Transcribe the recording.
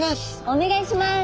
お願いします。